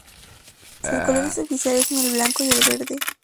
Sus colores oficiales son el blanco y el verde.